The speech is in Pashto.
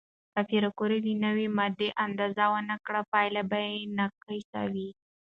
که پېیر کوري د نوې ماده اندازه ونه کړي، پایله به ناقصه وي.